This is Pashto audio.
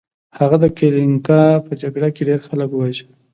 هغه د کلینګا په جګړه کې ډیر خلک وواژه.